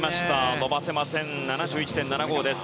伸ばせません、７１．７５です。